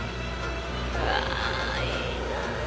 うわいいな。